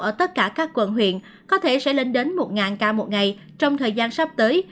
ở tất cả các quận huyện có thể sẽ lên đến một ca một ngày trong thời gian sắp tới